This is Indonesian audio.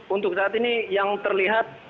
untuk saat ini yang terlihat